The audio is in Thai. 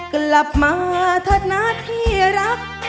กลับมาทดหน้าที่รัก